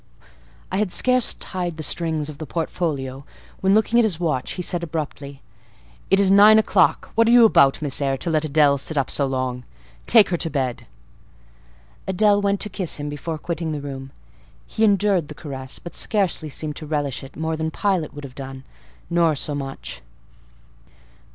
I had scarce tied the strings of the portfolio, when, looking at his watch, he said abruptly— "It is nine o'clock: what are you about, Miss Eyre, to let Adèle sit up so long? Take her to bed." Adèle went to kiss him before quitting the room: he endured the caress, but scarcely seemed to relish it more than Pilot would have done, nor so much.